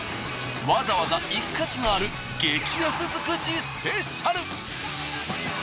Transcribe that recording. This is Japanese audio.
わざわざ行く価値がある激安尽くしスペシャル。